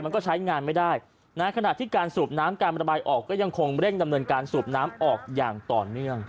มันก็ใช้งานไม่ได้นะขณะที่การสูบน้ำการระบายออกก็ยังคงเร่งดำเนินการสูบน้ำออกอย่างต่อเนื่อง